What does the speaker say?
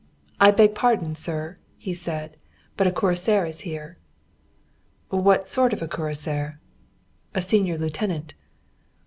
"I beg pardon, sir," said he, "but a cuirassier is here." "What sort of a cuirassier?" "A senior lieutenant."